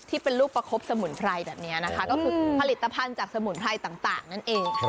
ที่เป็นลูกประคบสมุนไพรแบบนี้นะคะก็คือผลิตภัณฑ์จากสมุนไพรต่างนั่นเอง